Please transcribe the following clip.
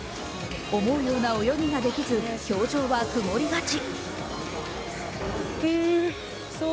思うような泳ぎができず表情は曇りがち。